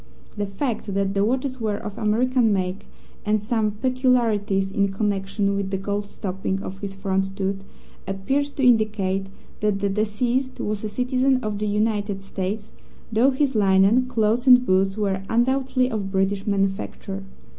The fact that the watches were of American make, and some peculiarities in connection with the gold stopping of his front tooth, appeared to indicate that the deceased was a citizen of the United States, though his linen, clothes and boots were undoubtedly of British manufacture.